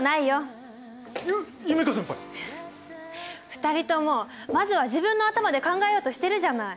２人ともまずは自分の頭で考えようとしてるじゃない。